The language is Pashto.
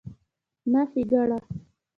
نه ښېګړه